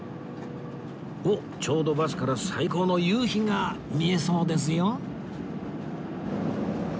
おっちょうどバスから最高の夕日が見えそうですよ